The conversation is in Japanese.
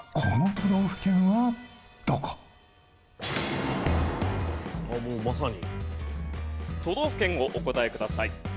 都道府県をお答えください。